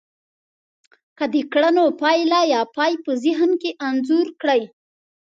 که د کړنو پايله يا پای په ذهن کې انځور کړی.